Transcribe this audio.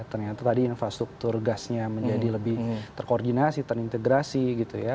ternyata tadi infrastruktur gasnya menjadi lebih terkoordinasi terintegrasi gitu ya